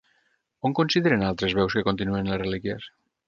On consideren altres veus que continuen les relíquies?